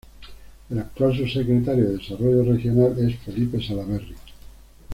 El actual subsecretario de Desarrollo Regional es Felipe Salaberry.